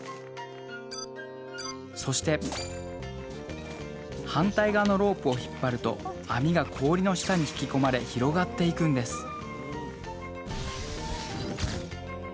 そして反対側のロープを引っ張ると網が氷の下に引き込まれ広がっていくんです